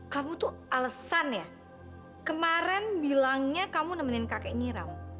kamu tuh alesan ya kemarin bilangnya kamu nemenin kakek ngiram